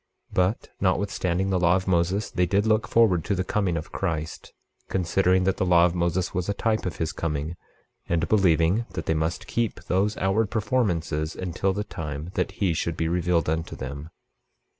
But notwithstanding the law of Moses, they did look forward to the coming of Christ, considering that the law of Moses was a type of his coming, and believing that they must keep those outward performances until the time that he should be revealed unto them.